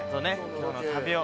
今日の旅を。